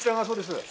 そうです。